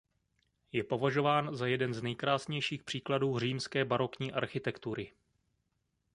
Je považován za jeden z nejkrásnějších příkladů římské barokní architektury.